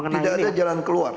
tidak ada jalan keluar